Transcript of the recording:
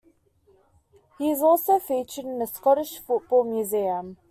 He is also featured in the Scottish Football Museum.